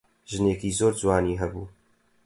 ژنێکی زۆر جوانی هەبوو.